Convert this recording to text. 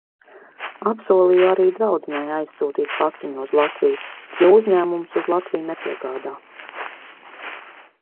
Apsolīju arī draudzenei aizsūtīt paciņu uz Latviju, jo uzņēmums uz Latviju nepiegādā.